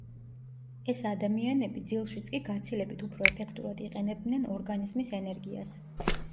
ეს ადამიანები ძილშიც კი გაცილებით უფრო ეფექტურად იყენებდნენ ორგანიზმის ენერგიას.